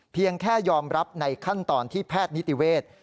เพียงแค่ยอมรับในขั้นตอนที่แพทย์นิติเวทย์